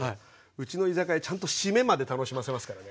うちの居酒屋ちゃんと締めまで楽しませますからね。